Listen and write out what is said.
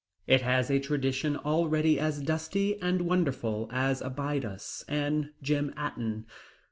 It has a tradition already as dusty and wonderful as Abydos and Gem Aten.